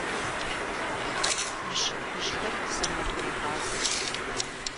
Мыщэ хужьхэр сэмэгурыгъазэщ.